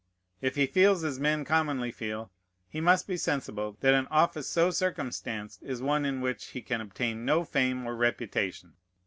If he feels as men commonly feel, he must he sensible that an office so circumstanced is one in which he can obtain no fame or reputation.